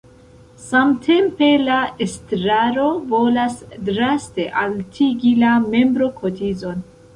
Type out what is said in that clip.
Samtempe la estraro volas draste altigi la membrokotizon.